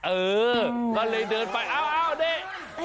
เออก็เลยเดินไปอ้าวนี่